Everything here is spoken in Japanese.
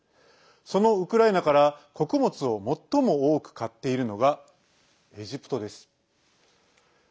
そのウクライナから穀物を最も多く買っているのがエジプトです。